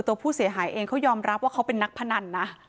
ตัวผู้เสียหายเองเขายอมรับว่าเขาเป็นนักพนันนะ